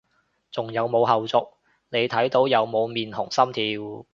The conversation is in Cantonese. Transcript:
仲有冇後續，你睇到有冇面紅心跳？